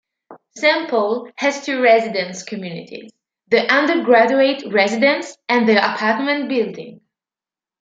Saint Paul's has two residence communities: the undergraduate residence and the Apartment Building.